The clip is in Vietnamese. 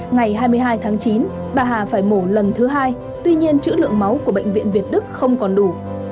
ngày hai mươi hai tháng chín bà hà phải mổ lần thứ hai tuy nhiên chữ lượng máu của bệnh viện việt đức không còn đủ